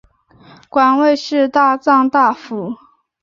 官位是大藏大辅。